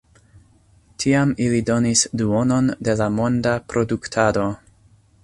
Tiam ili donis duonon de la monda produktado.